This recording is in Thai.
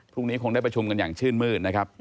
พรุ่งนี้คงได้ประชุมกันอย่างชื่นมืดนะครับ